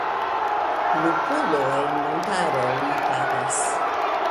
Lupulo en montaro Li pagas!